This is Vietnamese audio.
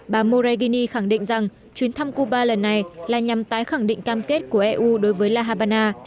bà moraguini khẳng định rằng chuyến thăm cuba lần này là nhằm tái khẳng định cam kết của eu đối với la habana